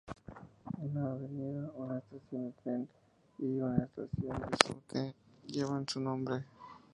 Una avenida, una estación de tren y una estación de subte llevan su nombre.